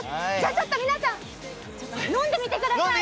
ちょっと皆さん飲んでみてください。